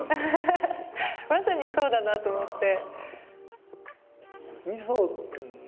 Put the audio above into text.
まさにそうだなと思って。